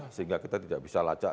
sehingga kita tidak bisa lacak